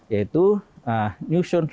yaitu nyusun suatu